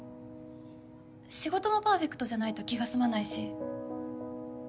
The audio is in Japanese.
仕事もパーフェクトじゃないと気が済まないし。